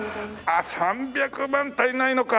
あっ３００万足りないのか。